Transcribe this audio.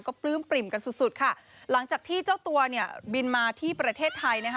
ก็ปลื้มปริ่มกันสุดค่ะหลังจากที่เจ้าตัวบินมาที่ประเทศไทย